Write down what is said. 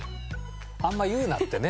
あんま言うなってね。